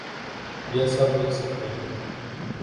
یہ سب لکھ سکتے ہیں؟